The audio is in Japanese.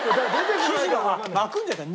生地が巻くんじゃない？